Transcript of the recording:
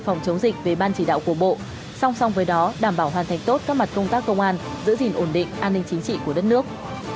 phòng chống dịch về ban chỉ đạo của bộ song song với đó đảm bảo hoàn thành tốt các mặt công tác công an giữ gìn ổn định an ninh chính trị của đất nước